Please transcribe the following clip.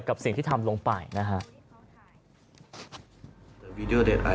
กับสิ่งที่ทำลงไปนะฮะ